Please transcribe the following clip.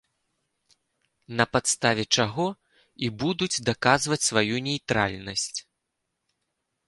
На падставе чаго і будуць даказваць сваю нейтральнасць.